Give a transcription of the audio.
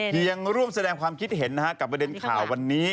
ยังร่วมแสดงความคิดเห็นนะฮะกับประเด็นข่าววันนี้